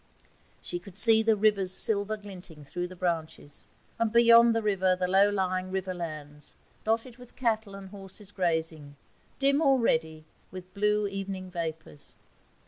She could see the river's silver glinting through the branches, and, beyond the river, the low lying river lands, dotted with cattle and horses grazing, dim already with blue evening vapours.